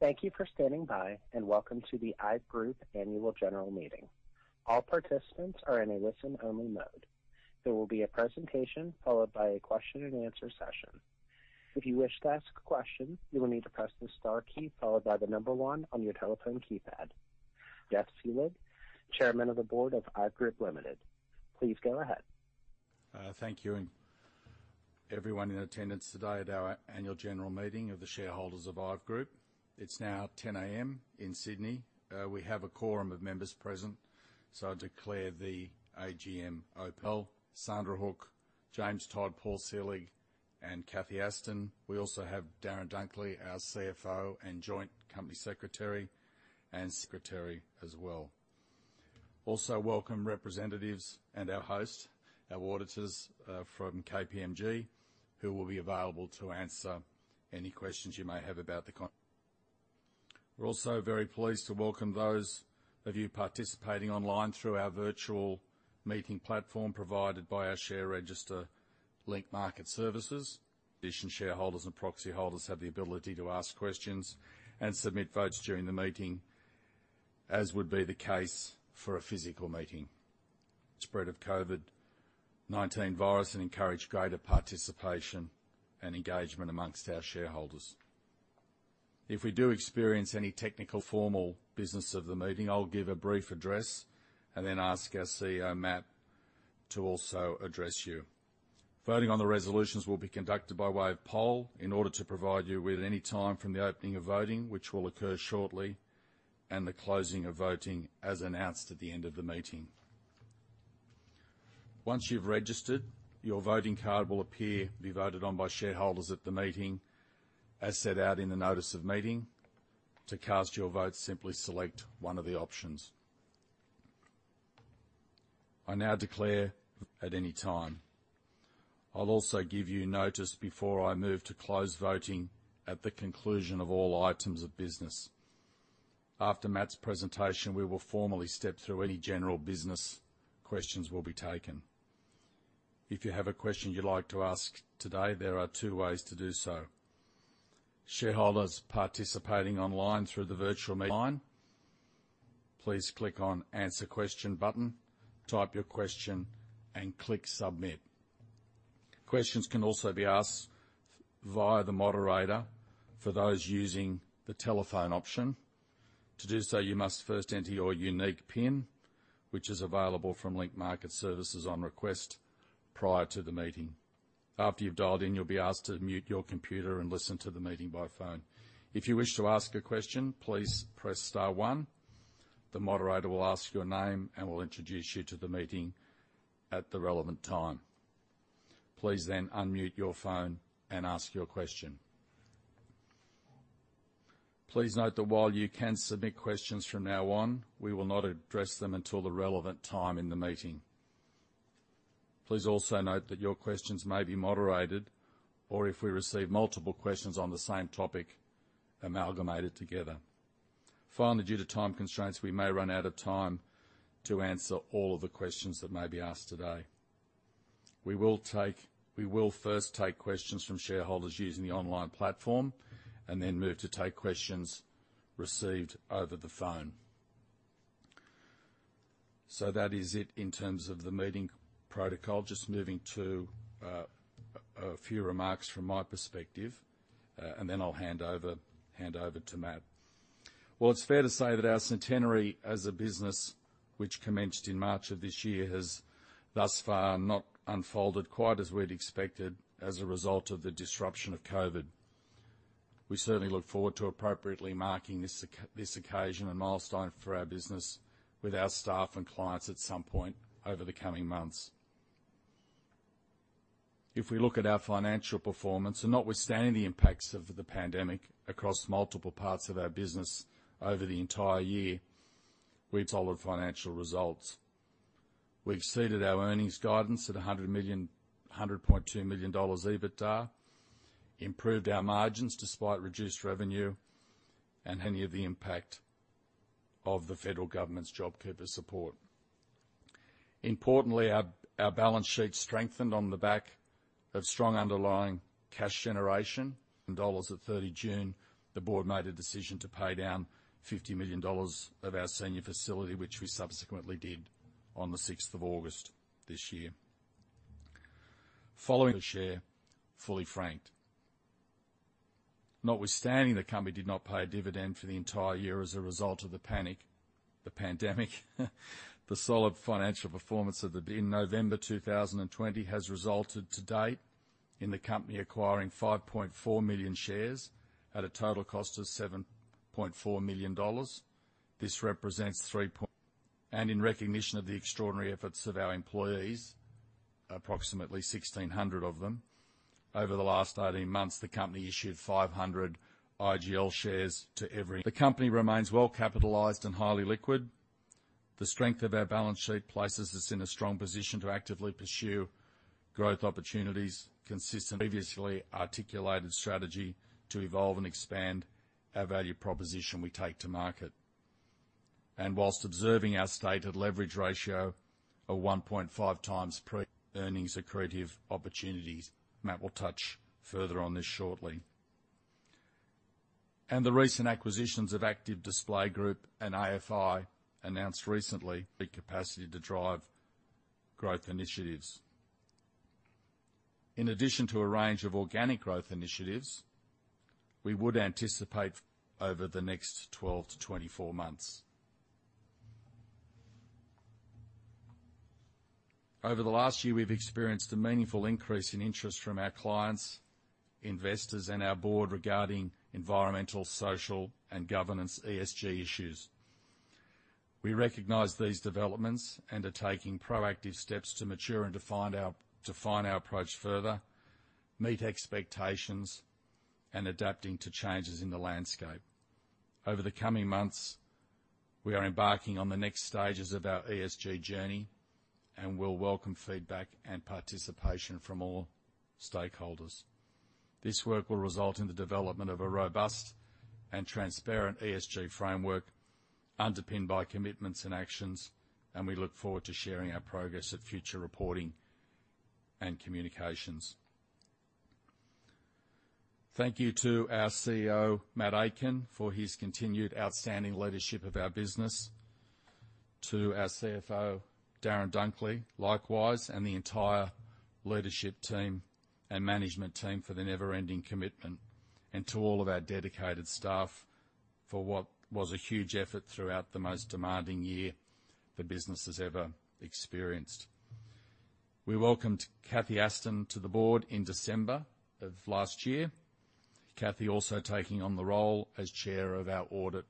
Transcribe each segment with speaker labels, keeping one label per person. Speaker 1: Thank you for standing by, and welcome to the IVE Group Annual General Meeting. All participants are in a listen-only mode. There will be a presentation followed by a question and answer session. If you wish to ask a question, you will need to press the star key followed by the number one on your telephone keypad. Geoff Selig, Chairman of the Board of IVE Group Limited, please go ahead.
Speaker 2: Thank you, everyone in attendance today at our annual general meeting of the shareholders of IVE Group. It's now 10:00 A.M. in Sydney. We have a quorum of members present, so I declare the AGM open. Sandra Hook, James Todd, Paul Selig, and Cathy Aston. We also have Darren Dunkley, our CFO and Joint Company Secretary and secretary as well. We also welcome representatives and our host, our auditors from KPMG, who will be available to answer any questions you may have. We're also very pleased to welcome those of you participating online through our virtual meeting platform provided by our share registry Link Market Services. Shareholders and proxy holders have the ability to ask questions and submit votes during the meeting, as would be the case for a physical meeting to limit the spread of the COVID-19 virus and encourage greater participation and engagement among our shareholders. If we do experience any technical difficulties before the formal business of the meeting, I'll give a brief address and then ask our CEO, Matt, to also address you. Voting on the resolutions will be conducted by way of poll in order to provide you with ample time from the opening of voting, which will occur shortly, and the closing of voting as announced at the end of the meeting. Once you've registered, your voting card will appear. The resolutions to be voted on by shareholders at the meeting, as set out in the Notice of Meeting. To cast your vote, simply select one of the options. I now declare the meeting open. I'll also give you notice before I move to close voting at the conclusion of all items of business. After Matt's presentation, we will formally step through any general business. Questions will be taken. If you have a question you'd like to ask today, there are two ways to do so. Shareholders participating online through the virtual meeting line, please click on Answer Question button, type your question, and click Submit. Questions can also be asked via the moderator for those using the telephone option. To do so, you must first enter your unique PIN, which is available from Link Market Services on request prior to the meeting. After you've dialed in, you'll be asked to mute your computer and listen to the meeting by phone. If you wish to ask a question, please press star one. The moderator will ask your name and will introduce you to the meeting at the relevant time. Please then unmute your phone and ask your question. Please note that while you can submit questions from now on, we will not address them until the relevant time in the meeting. Please also note that your questions may be moderated, or if we receive multiple questions on the same topic, amalgamated together. Finally, due to time constraints, we may run out of time to answer all of the questions that may be asked today. We will first take questions from shareholders using the online platform and then move to take questions received over the phone. That is it in terms of the meeting protocol. Just moving to a few remarks from my perspective, and then I'll hand over to Matt. Well, it's fair to say that our centenary as a business, which commenced in March of this year, has thus far not unfolded quite as we'd expected as a result of the disruption of COVID. We certainly look forward to appropriately marking this occasion and milestone for our business with our staff and clients at some point over the coming months. If we look at our financial performance, and notwithstanding the impacts of the pandemic across multiple parts of our business over the entire year, we had solid financial results. We exceeded our earnings guidance at 100.2 million EBITDA, improved our margins despite reduced revenue and any of the impact of the federal government's JobKeeper support. Importantly, our balance sheet strengthened on the back of strong underlying cash generation. In dollars at 30 June, the board made a decision to pay down 50 million dollars of our senior facility, which we subsequently did on 6 August this year. Following the share, fully franked. Notwithstanding, the company did not pay a dividend for the entire year as a result of the pandemic. The solid financial performance of the company in November 2020 has resulted to date in the company acquiring 5.4 million shares at a total cost of 7.4 million dollars. This represents three point. In recognition of the extraordinary efforts of our employees, approximately 1,600 of them, over the last 18 months, the company issued 500 IGL shares to every. The company remains well capitalized and highly liquid. The strength of our balance sheet places us in a strong position to actively pursue growth opportunities consistent with our previously articulated strategy to evolve and expand our value proposition we take to market. While observing our stated leverage ratio of 1.5 times pre-earnings accretive opportunities. Matt will touch further on this shortly. The recent acquisitions of Active Display Group and AFI, announced recently, the capacity to drive growth initiatives. In addition to a range of organic growth initiatives, we would anticipate over the next 12-24 months. Over the last year, we've experienced a meaningful increase in interest from our clients, investors and our board regarding environmental, social and governance ESG issues. We recognize these developments and are taking proactive steps to mature and to find our approach further, meet expectations, and adapting to changes in the landscape. Over the coming months, we are embarking on the next stages of our ESG journey, and we'll welcome feedback and participation from all stakeholders. This work will result in the development of a robust and transparent ESG framework underpinned by commitments and actions, and we look forward to sharing our progress at future reporting and communications. Thank you to our CEO, Matt Aitken, for his continued outstanding leadership of our business. To our CFO, Darren Dunkley, likewise, and the entire leadership team and management team for their never-ending commitment. To all of our dedicated staff for what was a huge effort throughout the most demanding year the business has ever experienced. We welcomed Cathy Aston to the board in December of last year, Cathy also taking on the role as Chair of our Audit,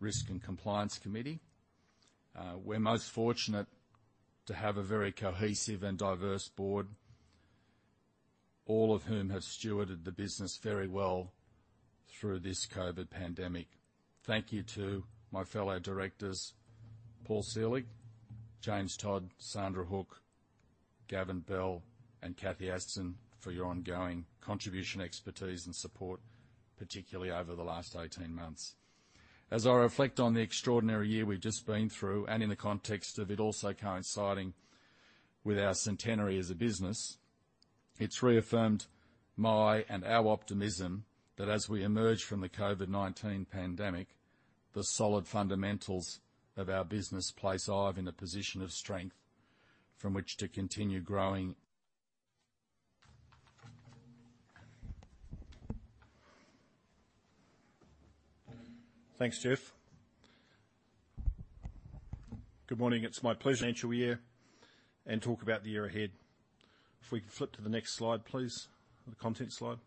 Speaker 2: Risk and Compliance Committee. We're most fortunate to have a very cohesive and diverse board, all of whom have stewarded the business very well through this COVID-19 pandemic. Thank you to my fellow directors, Paul Selig, James Todd, Sandra Hook, Gavin Bell, and Cathy Aston for your ongoing contribution, expertise and support, particularly over the last 18 months. As I reflect on the extraordinary year we've just been through, and in the context of it also coinciding with our centenary as a business, it's reaffirmed my and our optimism that as we emerge from the COVID-19 pandemic, the solid fundamentals of our business place IVE in a position of strength from which to continue growing.
Speaker 3: Thanks, Geoff. Good morning, it's my pleasure to present the results for the year and talk about the year ahead. If we can flip to the next slide, please. The content slide.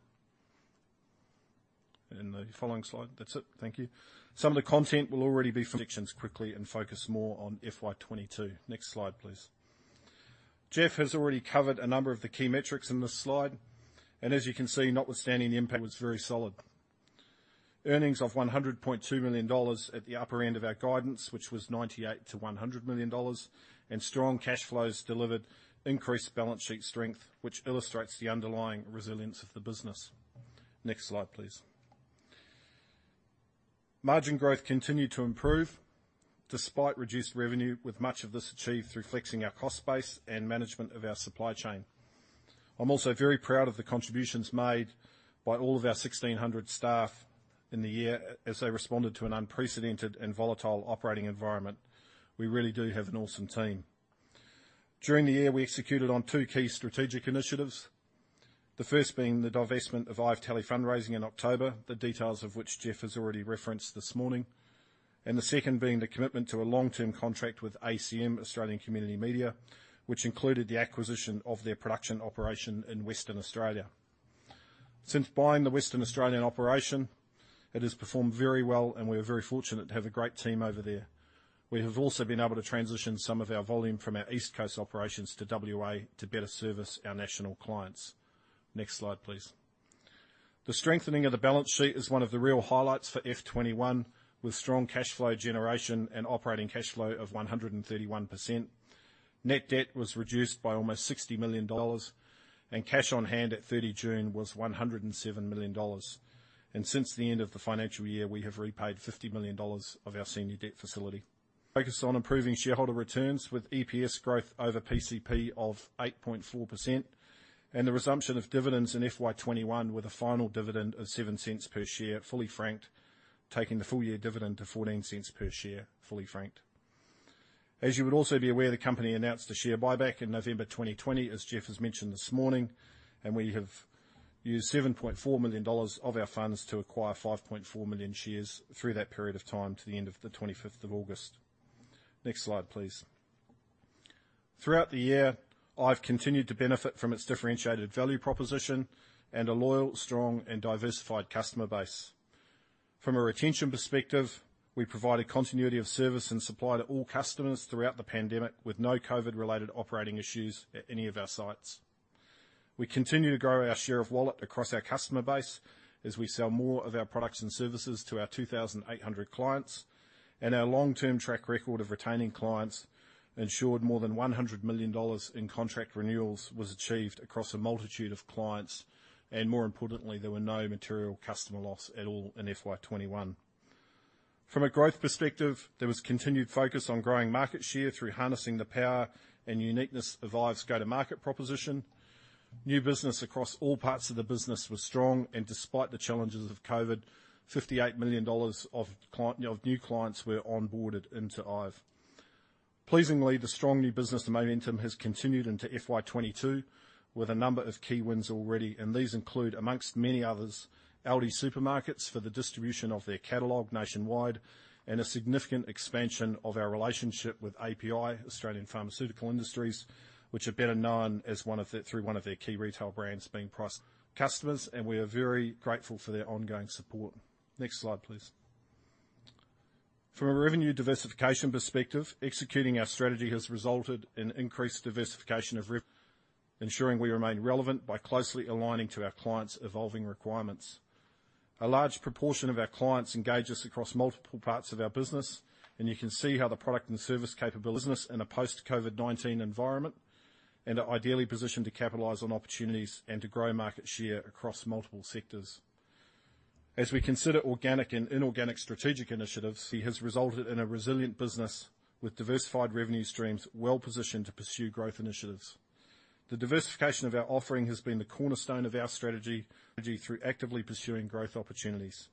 Speaker 3: The following slide. That's it. Thank you. Some of the content will already be covered, so we'll quickly focus more on FY 2022. Next slide, please. Geoff has already covered a number of the key metrics in this slide. As you can see, notwithstanding the impact, it was very solid. Earnings of 100.2 million dollars at the upper end of our guidance, which was 98 million-100 million dollars, and strong cash flows delivered increased balance sheet strength, which illustrates the underlying resilience of the business. Next slide, please. Margin growth continued to improve despite reduced revenue, with much of this achieved through flexing our cost base and management of our supply chain. I'm also very proud of the contributions made by all of our 1,600 staff in the year as they responded to an unprecedented and volatile operating environment. We really do have an awesome team. During the year, we executed on two key strategic initiatives. The first being the divestment of IVE Telefundraising in October, the details of which Geoff has already referenced this morning. The second being the commitment to a long-term contract with ACM, Australian Community Media, which included the acquisition of their production operation in Western Australia. Since buying the Western Australian operation, it has performed very well, and we are very fortunate to have a great team over there. We have also been able to transition some of our volume from our East Coast operations to WA to better service our national clients. Next slide, please. The strengthening of the balance sheet is one of the real highlights for FY 2021, with strong cash flow generation and operating cash flow of 131%. Net debt was reduced by almost 60 million dollars, and cash on hand at 30 June was 107 million dollars. Since the end of the financial year, we have repaid 50 million dollars of our senior debt facility. Focus on improving shareholder returns with EPS growth over PCP of 8.4% and the resumption of dividends in FY 2021 with a final dividend of 0.07 per share, fully franked, taking the full year dividend to 0.14 per share, fully franked. As you would also be aware, the company announced a share buyback in November 2020, as Geoff has mentioned this morning, and we have used 7.4 million dollars of our funds to acquire 5.4 million shares through that period of time to the end of the 25th of August. Next slide, please. Throughout the year, IVE continued to benefit from its differentiated value proposition and a loyal, strong and diversified customer base. From a retention perspective, we provided continuity of service and supply to all customers throughout the pandemic with no COVID-related operating issues at any of our sites. We continue to grow our share of wallet across our customer base as we sell more of our products and services to our 2,800 clients. Our long-term track record of retaining clients ensured more than 100 million dollars in contract renewals was achieved across a multitude of clients. More importantly, there were no material customer loss at all in FY 2021. From a growth perspective, there was continued focus on growing market share through harnessing the power and uniqueness of IVE's go-to-market proposition. New business across all parts of the business was strong, and despite the challenges of COVID, 58 million dollars of new clients were onboarded into IVE. Pleasingly, the strong new business momentum has continued into FY 2022, with a number of key wins already, and these include, among many others, ALDI for the distribution of their catalog nationwide, and a significant expansion of our relationship with API, Australian Pharmaceutical Industries, which are better known through one of their key retail brands, Priceline, and we are very grateful for their ongoing support. Next slide, please. From a revenue diversification perspective, executing our strategy has resulted in increased diversification of revenue, ensuring we remain relevant by closely aligning to our clients' evolving requirements. A large proportion of our clients engage us across multiple parts of our business, and you can see how the product and service capabilities of our business in a post-COVID-19 environment, and we are ideally positioned to capitalize on opportunities and to grow market share across multiple sectors. As we consider organic and inorganic strategic initiatives has resulted in a resilient business with diversified revenue streams well-positioned to pursue growth initiatives. The diversification of our offering has been the cornerstone of our strategy through actively pursuing growth opportunities.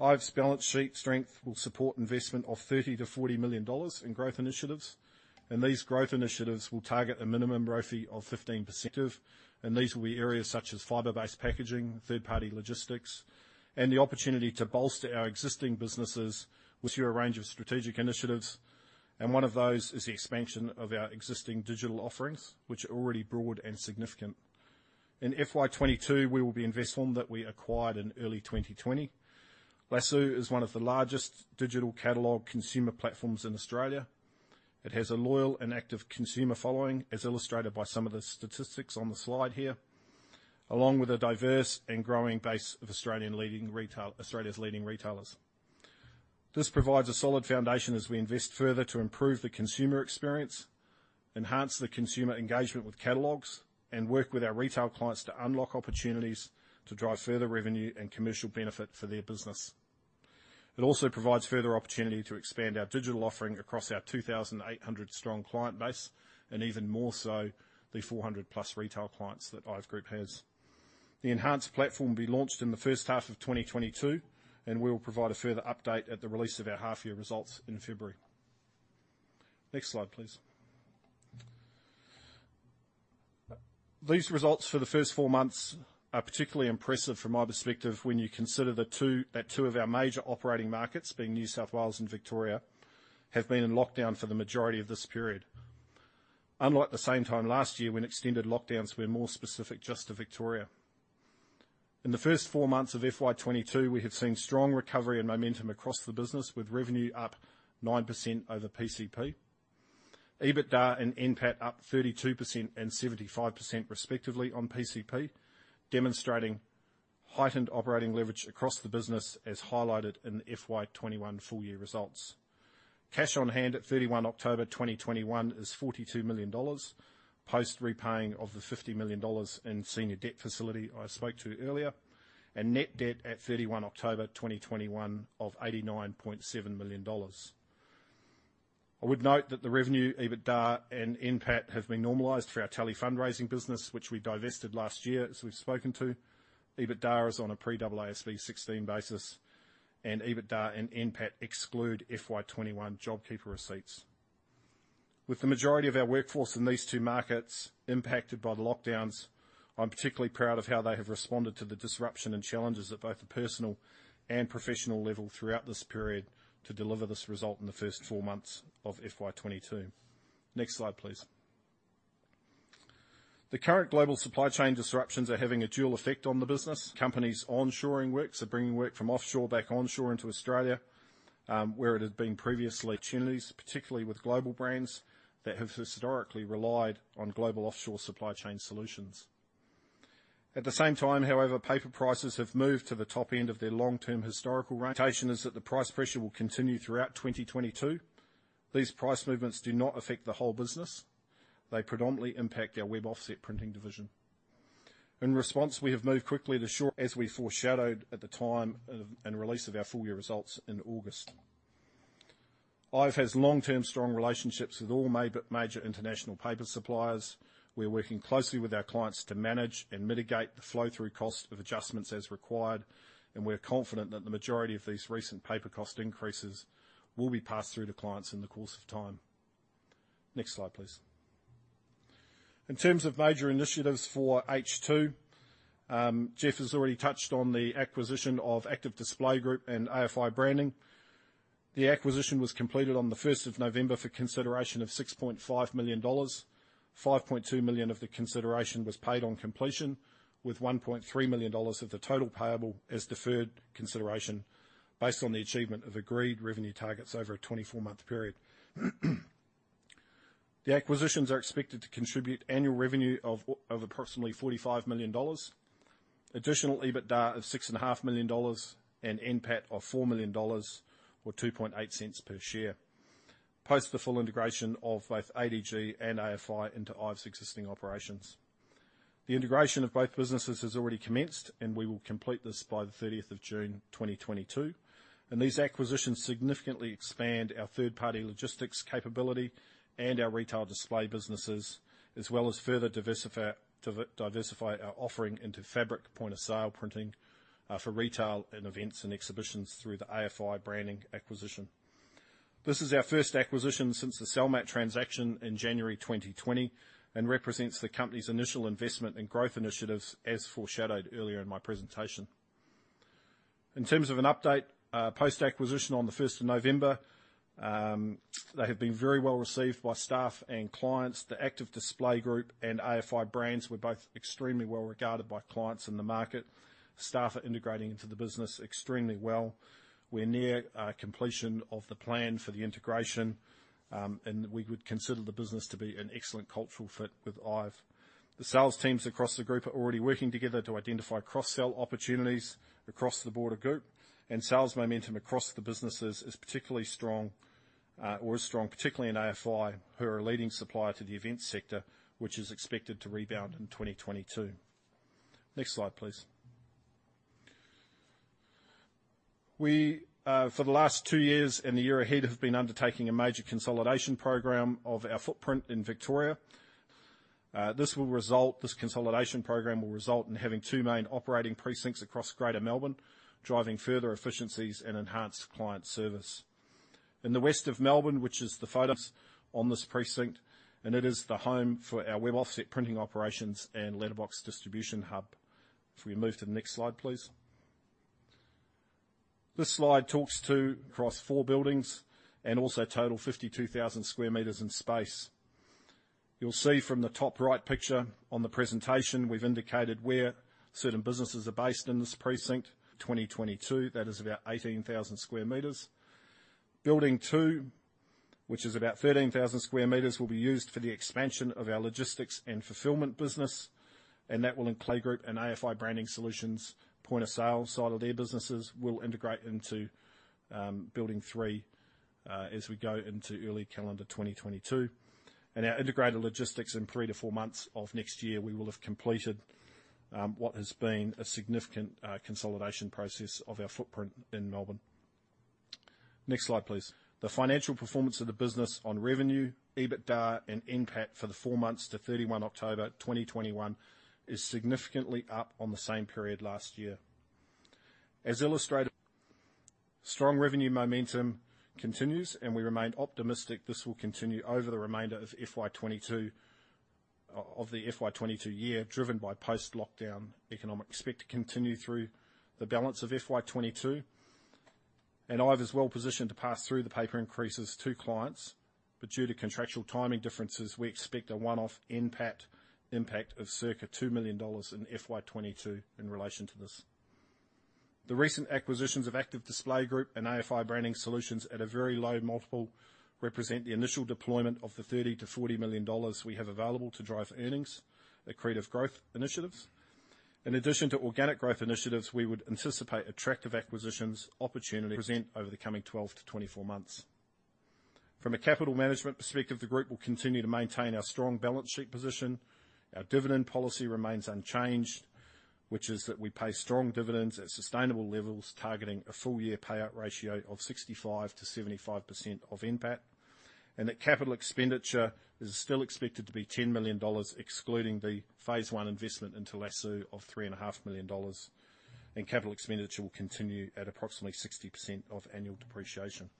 Speaker 3: IVE's balance sheet strength will support investment of 30 million-40 million dollars in growth initiatives, and these growth initiatives will target a minimum ROFE of 15%. These will be areas such as fiber-based packaging, third-party logistics, and the opportunity to bolster our existing businesses with your range of strategic initiatives. One of those is the expansion of our existing digital offerings, which are already broad and significant. In FY 2022, we will be investing in Lasoo that we acquired in early 2020. Lasoo is one of the largest digital catalog consumer platforms in Australia. It has a loyal and active consumer following, as illustrated by some of the statistics on the slide here, along with a diverse and growing base of Australia's leading retailers. This provides a solid foundation as we invest further to improve the consumer experience, enhance the consumer engagement with catalogs, and work with our retail clients to unlock opportunities to drive further revenue and commercial benefit for their business. It also provides further opportunity to expand our digital offering across our 2,800 strong client base, and even more so, the 400+ retail clients that IVE Group has. The enhanced platform will be launched in the first half of 2022, and we will provide a further update at the release of our half-year results in February. Next slide, please. These results for the first four months are particularly impressive from my perspective when you consider that two of our major operating markets, being New South Wales and Victoria, have been in lockdown for the majority of this period. Unlike the same time last year, when extended lockdowns were more specific just to Victoria. In the first four months of FY 2022, we have seen strong recovery and momentum across the business with revenue up 9% over PCP. EBITDA and NPAT up 32% and 75% respectively on PCP, demonstrating heightened operating leverage across the business as highlighted in FY 2021 full-year results. Cash on hand at 31 October 2021 is 42 million dollars, post repaying of the 50 million dollars in senior debt facility I spoke to earlier, and net debt at 31 October 2021 of AUD 89.7 million. I would note that the revenue, EBITDA and NPAT have been normalized through our Telefundraising business, which we divested last year, as we've spoken to. EBITDA is on a pre-AASB 16 basis, and EBITDA and NPAT exclude FY 2021 JobKeeper receipts. With the majority of our workforce in these two markets impacted by the lockdowns, I'm particularly proud of how they have responded to the disruption and challenges at both a personal and professional level throughout this period to deliver this result in the first four months of FY 2022. Next slide, please. The current global supply chain disruptions are having a dual effect on the business. Companies onshoring works are bringing work from offshore back onshore into Australia, where it had been previously. Opportunities, particularly with global brands that have historically relied on global offshore supply chain solutions. At the same time, however, paper prices have moved to the top end of their long-term historical rate. Expectation is that the price pressure will continue throughout 2022. These price movements do not affect the whole business. They predominantly impact our web offset printing division. In response, we have moved quickly to shore as we foreshadowed at the time of the release of our full-year results in August. IVE has long-term strong relationships with all major international paper suppliers. We're working closely with our clients to manage and mitigate the flow-through cost of adjustments as required, and we're confident that the majority of these recent paper cost increases will be passed through to clients in the course of time. Next slide, please. In terms of major initiatives for H2, Geoff has already touched on the acquisition of Active Display Group and AFI Branding. The acquisition was completed on the first of November for consideration of 6.5 million dollars. Five point two million of the consideration was paid on completion, with one point three million dollars of the total payable as deferred consideration based on the achievement of agreed revenue targets over a 24-month period. The acquisitions are expected to contribute annual revenue of approximately 45 million dollars, additional EBITDA of 6.5 million dollars, and NPAT of 4 million dollars or 0.028 per share post the full integration of both ADG and AFI into IVE's existing operations. The integration of both businesses has already commenced, and we will complete this by the thirtieth of June 2022. These acquisitions significantly expand our third-party logistics capability and our retail display businesses, as well as further diversify our offering into fabric point of sale printing, for retail and events and exhibitions through the AFI Branding Solutions acquisition. This is our first acquisition since the Salmat transaction in January 2020 and represents the company's initial investment in growth initiatives as foreshadowed earlier in my presentation. In terms of an update, post-acquisition on the first of November, they have been very well received by staff and clients. The Active Display Group and AFI Branding Solutions were both extremely well regarded by clients in the market. Staff are integrating into the business extremely well. We're near completion of the plan for the integration, and we would consider the business to be an excellent cultural fit with IVE. The sales teams across the group are already working together to identify cross-sell opportunities across the board across the group and sales momentum across the businesses is strong, particularly in AFI, who are a leading supplier to the events sector, which is expected to rebound in 2022. Next slide, please. We for the last two years and the year ahead have been undertaking a major consolidation program of our footprint in Victoria. This consolidation program will result in having two main operating precincts across Greater Melbourne, driving further efficiencies and enhanced client service. In the west of Melbourne, which is the Altona precinct, and it is the home for our web offset printing operations and letterbox distribution hub. If we move to the next slide, please. This slide talks about across four buildings and also total 52,000 sq m in space. You'll see from the top right picture on the presentation, we've indicated where certain businesses are based in this precinct. 2022, that is about 18,000 sq m. Building two, which is about 13,000 sq m, will be used for the expansion of our logistics and fulfillment business, and that will include Group and AFI Branding Solutions point of sale side of their businesses will integrate into building three as we go into early calendar 2022. Our integrated logistics in 3 months to 4 months of next year, we will have completed what has been a significant consolidation process of our footprint in Melbourne. Next slide, please. The financial performance of the business on revenue, EBITDA and NPAT for the four months to 31 October 2021 is significantly up on the same period last year. As illustrated, strong revenue momentum continues, and we remain optimistic this will continue over the remainder of FY 2022, driven by post-lockdown economic growth expected to continue through the balance of FY 2022. IVE is well positioned to pass through the paper increases to clients. Due to contractual timing differences, we expect a one-off NPAT impact of circa 2 million dollars in FY 2022 in relation to this. The recent acquisitions of Active Display Group and AFI Branding Solutions at a very low multiple represent the initial deployment of the 30 million-40 million dollars we have available to drive earnings, accretive growth initiatives. In addition to organic growth initiatives, we would anticipate attractive acquisitions opportunities present over the coming 12-24 months. From a capital management perspective, the group will continue to maintain our strong balance sheet position. Our dividend policy remains unchanged, which is that we pay strong dividends at sustainable levels, targeting a full-year payout ratio of 65%-75% of NPAT. That capital expenditure is still expected to be 10 million dollars, excluding the phase 1 investment into Lasoo of 3.5 million dollars. Capital expenditure will continue at approximately 60% of annual depreciation.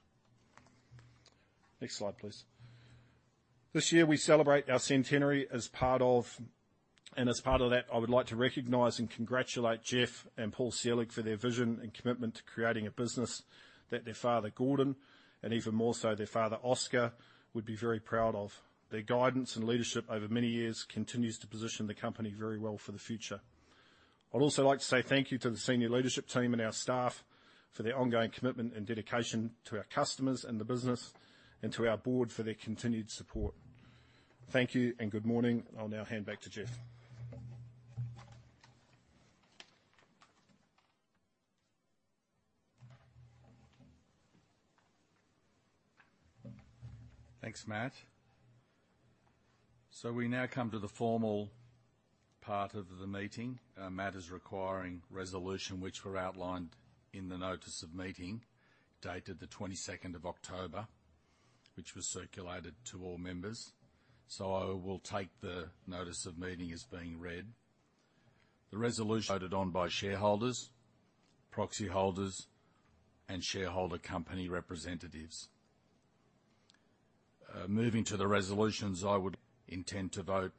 Speaker 3: Next slide, please. This year, we celebrate our centenary and as part of that, I would like to recognize and congratulate Geoff and Paul Selig for their vision and commitment to creating a business that their father, Gordon, and even more so their father, Oscar, would be very proud of. Their guidance and leadership over many years continues to position the company very well for the future. I'd also like to say thank you to the senior leadership team and our staff for their ongoing commitment and dedication to our customers and the business and to our board for their continued support. Thank you and good morning. I'll now hand back to Geoff.
Speaker 2: Thanks, Matt. We now come to the formal part of the meeting, matters requiring resolution which were outlined in the notice of meeting dated the 22nd of October, which was circulated to all members. I will take the notice of meeting as being read. The resolution voted on by shareholders, proxy holders, and shareholder company representatives. Moving to the resolutions, I would intend to vote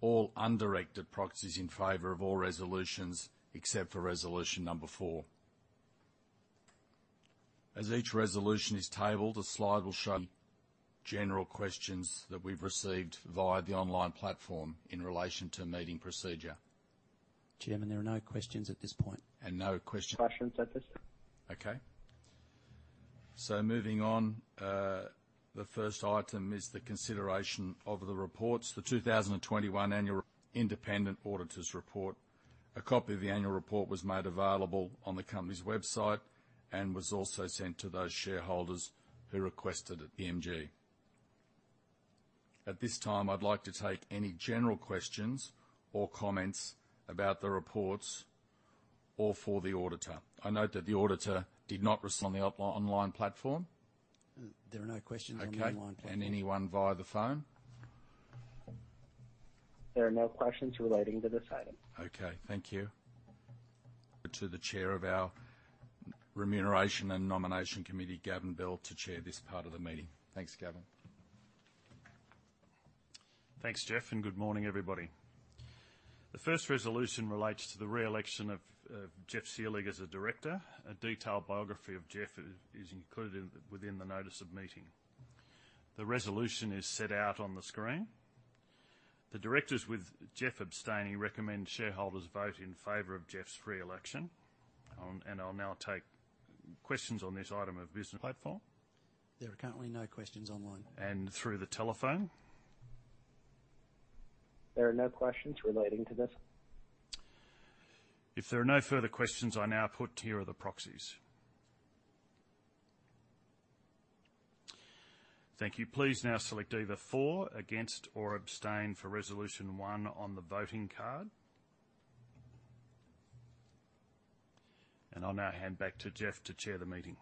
Speaker 2: all undirected proxies in favor of all resolutions except for resolution number four. As each resolution is tabled, a slide will show general questions that we've received via the online platform in relation to meeting procedure.
Speaker 3: Chairman, there are no questions at this point.
Speaker 2: No questions?
Speaker 4: Questions at this.
Speaker 2: Moving on, the first item is the consideration of the reports. The 2021 annual independent auditor's report. A copy of the annual report was made available on the company's website and was also sent to those shareholders who requested it at the EGM. At this time, I'd like to take any general questions or comments about the reports or for the auditor. I note that the auditor did not respond on the online platform.
Speaker 4: There are no questions on the online platform.
Speaker 2: Okay. Anyone via the phone?
Speaker 1: There are no questions relating to this item.
Speaker 2: Okay. Thank you. To the chair of our remuneration and nomination committee, Gavin Bell, to chair this part of the meeting. Thanks, Gavin.
Speaker 4: Thanks, Geoff, and good morning, everybody. The first resolution relates to the re-election of Geoff Selig as a director. A detailed biography of Geoff is included within the notice of meeting. The resolution is set out on the screen. The directors, with Geoff abstaining, recommend shareholders vote in favor of Geoff's re-election. I'll now take questions on this item of business platform. There are currently no questions online. Through the telephone?
Speaker 1: There are no questions relating to this.
Speaker 4: If there are no further questions, I now put the proxies. Thank you. Please now select either for, against, or abstain for resolution one on the voting card. I'll now hand back to Geoff to chair the meeting.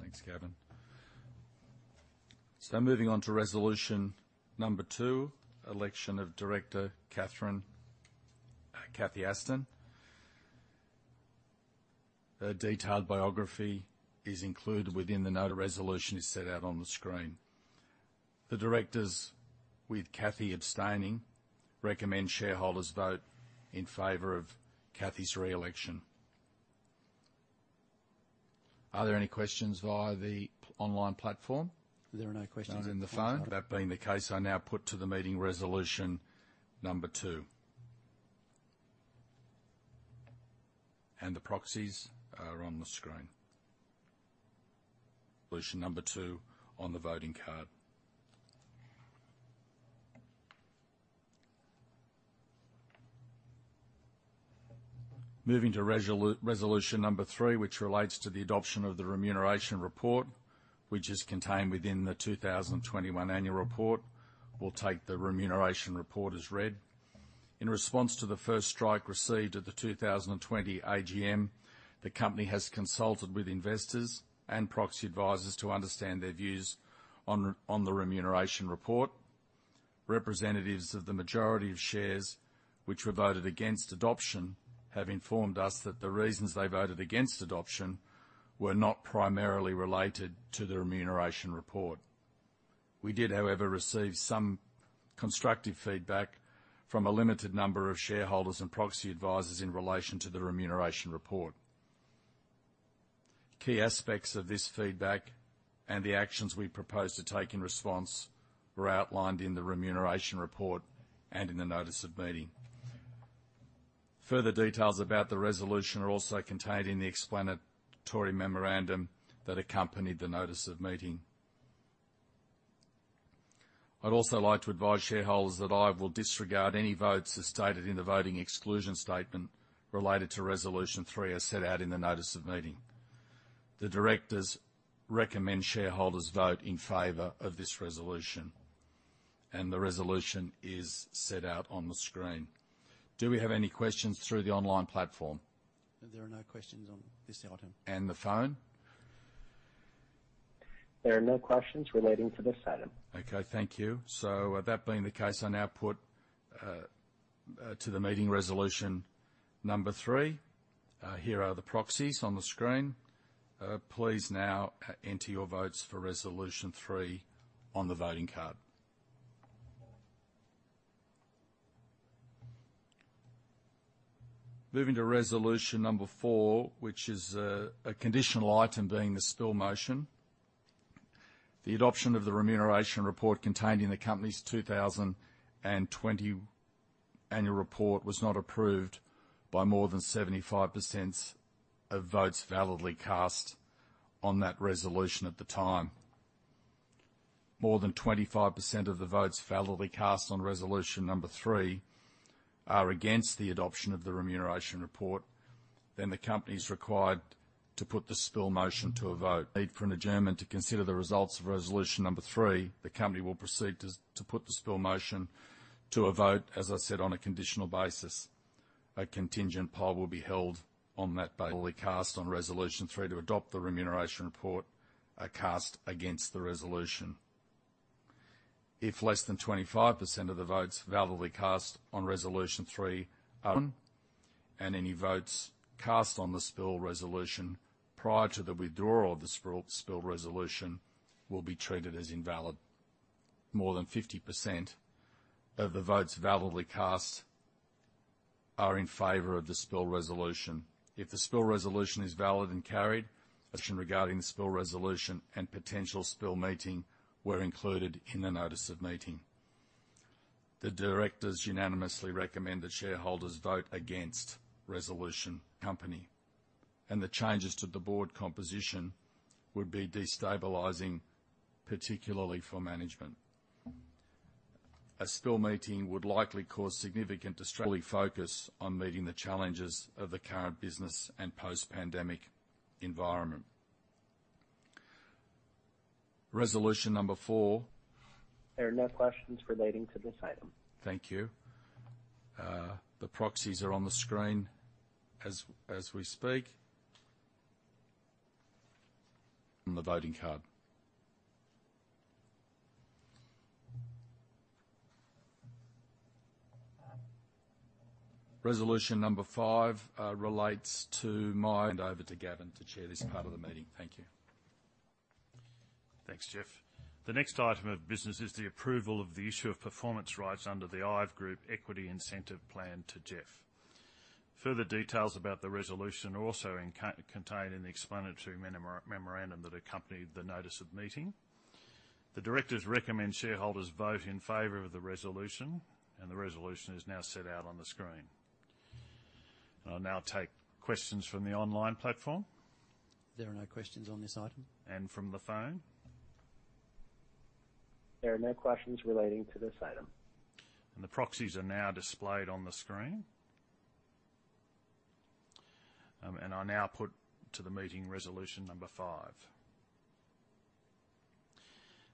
Speaker 2: Thanks, Gavin. Now moving on to resolution number two, election of director Cathy Aston. Her detailed biography is included within the note. The resolution is set out on the screen. The directors, with Cathy abstaining, recommend shareholders vote in favor of Cathy's re-election. Are there any questions via the online platform?
Speaker 4: There are no questions.
Speaker 2: None on the phone? That being the case, I now put to the meeting resolution number two. The proxies are on the screen. Resolution number two on the voting card. Moving to resolution number three, which relates to the adoption of the remuneration report, which is contained within the 2021 annual report. We'll take the remuneration report as read. In response to the first strike received at the 2020 AGM, the company has consulted with investors and proxy advisors to understand their views on the remuneration report. Representatives of the majority of shares which were voted against adoption have informed us that the reasons they voted against adoption were not primarily related to the remuneration report. We did, however, receive some constructive feedback from a limited number of shareholders and proxy advisors in relation to the remuneration report. Key aspects of this feedback and the actions we propose to take in response were outlined in the remuneration report and in the notice of meeting. Further details about the resolution are also contained in the explanatory memorandum that accompanied the notice of meeting. I'd also like to advise shareholders that I will disregard any votes as stated in the voting exclusion statement related to resolution three, as set out in the notice of meeting. The directors recommend shareholders vote in favor of this resolution, and the resolution is set out on the screen. Do we have any questions through the online platform?
Speaker 4: There are no questions on this item.
Speaker 2: The phone?
Speaker 1: There are no questions relating to this item.
Speaker 2: Okay, thank you. With that being the case, I now put to the meeting resolution number three. Here are the proxies on the screen. Please now enter your votes for resolution three on the voting card. Moving to resolution number four, which is a conditional item being the spill motion. The adoption of the remuneration report contained in the company's 2020 annual report was not approved by more than 75% of votes validly cast on that resolution at the time. If more than 25% of the votes validly cast on resolution number three are against the adoption of the remuneration report, then the company is required to put the spill motion to a vote. Need for an adjournment to consider the results of resolution number three, the company will proceed to put the spill motion to a vote, as I said, on a conditional basis. A contingent poll will be held on that. Only cast on resolution three to adopt the remuneration report are cast against the resolution. If less than 25% of the votes validly cast on resolution three are, any votes cast on the spill resolution prior to the withdrawal of the spill resolution will be treated as invalid. More than 50% of the votes validly cast are in favor of the spill resolution. If the spill resolution is valid and carried. Regarding the spill resolution and potential spill meeting were included in the notice of meeting. The directors unanimously recommend that shareholders vote against resolution company. The changes to the board composition would be destabilizing, particularly for management. A spill meeting would likely cause significant disruption to fully focus on meeting the challenges of the current business and post-pandemic environment. Resolution number four.
Speaker 1: There are no questions relating to this item.
Speaker 2: Thank you. The proxies are on the screen as we speak on the voting card. Resolution number five. Hand over to Gavin to chair this part of the meeting. Thank you.
Speaker 4: Thanks, Geoff. The next item of business is the approval of the issue of performance rights under the IVE Group Equity Incentive Plan to Geoff. Further details about the resolution are also contained in the explanatory memorandum that accompanied the notice of meeting. The directors recommend shareholders vote in favor of the resolution, and the resolution is now set out on the screen. I'll now take questions from the online platform.
Speaker 2: There are no questions on this item.
Speaker 4: From the phone.
Speaker 1: There are no questions relating to this item.
Speaker 4: The proxies are now displayed on the screen. I now put to the meeting resolution number five.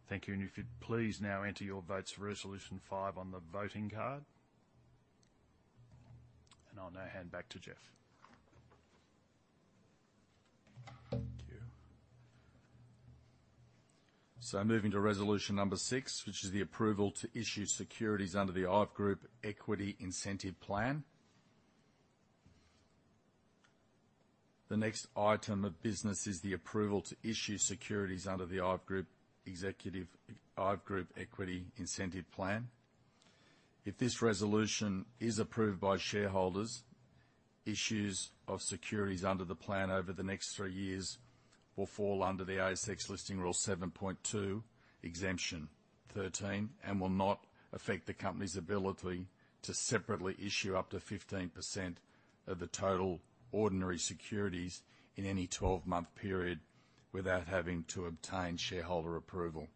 Speaker 4: Thank you. If you'd please now enter your votes for resolution five on the voting card. I'll now hand back to Geoff.
Speaker 2: Thank you. Moving to resolution number six, which is the approval to issue securities under the IVE Group Equity Incentive Plan. The next item of business is the approval to issue securities under the IVE Group Equity Incentive Plan. If this resolution is approved by shareholders, issues of securities under the plan over the next three years will fall under the ASX Listing Rule 7.2, exemption 13, and will not affect the company's ability to separately issue up to 15% of the total ordinary securities in any 12-month period without having to obtain shareholder approval.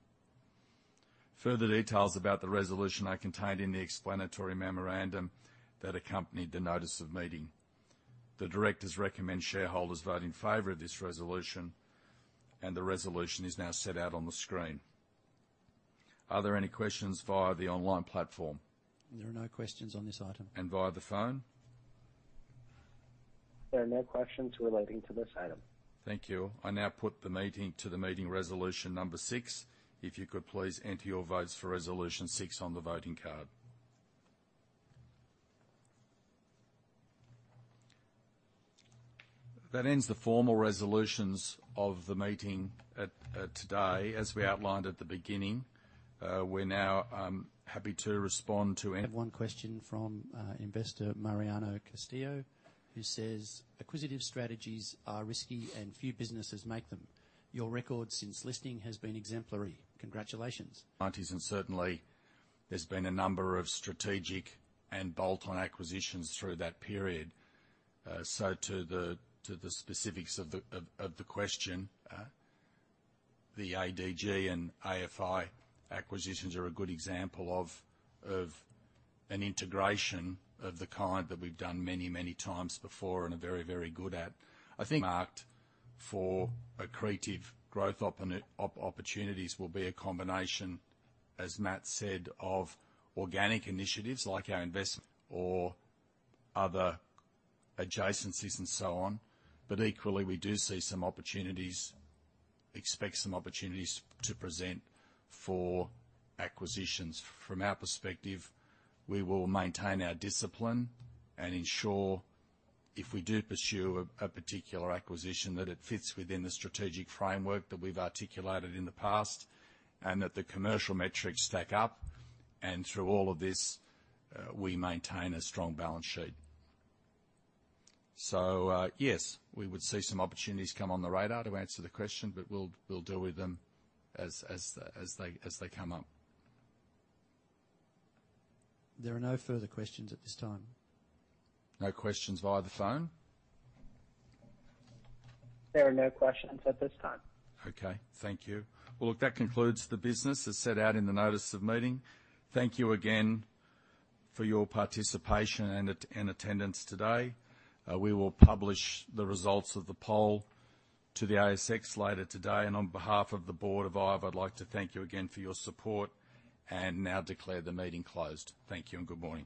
Speaker 2: Further details about the resolution are contained in the explanatory memorandum that accompanied the notice of meeting. The directors recommend shareholders vote in favor of this resolution, and the resolution is now set out on the screen. Are there any questions via the online platform?
Speaker 4: There are no questions on this item.
Speaker 2: Via the phone?
Speaker 1: There are no questions relating to this item.
Speaker 2: Thank you. I now put to the meeting resolution number six. If you could please enter your votes for resolution six on the voting card. That ends the formal resolutions of the meeting at today. As we outlined at the beginning, we're now happy to respond to any-
Speaker 4: We have one question from investor Mariano Castillo, who says, "Acquisitive strategies are risky and few businesses make them. Your record since listing has been exemplary. Congratulations.
Speaker 2: 1990s and certainly there's been a number of strategic and bolt-on acquisitions through that period. To the specifics of the question, the ADG and AFI acquisitions are a good example of an integration of the kind that we've done many times before and are very good at. I think earmarked for accretive growth opportunities will be a combination, as Matt said, of organic initiatives like our in-store or other adjacencies and so on. Equally, we do see some opportunities to present for acquisitions. From our perspective, we will maintain our discipline and ensure if we do pursue a particular acquisition, that it fits within the strategic framework that we've articulated in the past and that the commercial metrics stack up, and through all of this, we maintain a strong balance sheet. Yes, we would see some opportunities come on the radar to answer the question, but we'll deal with them as they come up.
Speaker 4: There are no further questions at this time.
Speaker 2: No questions via the phone?
Speaker 1: There are no questions at this time.
Speaker 2: Okay, thank you. Well, look, that concludes the business as set out in the notice of meeting. Thank you again for your participation and attendance today. We will publish the results of the poll to the ASX later today. On behalf of the board of IVE, I'd like to thank you again for your support and now declare the meeting closed. Thank you and good morning.